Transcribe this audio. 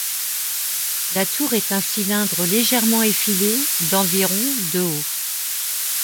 La tour est un cylindre légèrement effilé d'environ de haut.